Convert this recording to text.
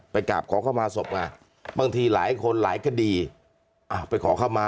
กราบขอเข้ามาศพไงบางทีหลายคนหลายคดีไปขอเข้ามา